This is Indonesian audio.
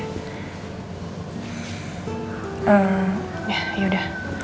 ehh ya yaudah